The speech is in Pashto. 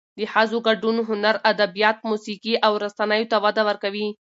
د ښځو ګډون هنر، ادبیات، موسیقي او رسنیو ته وده ورکوي.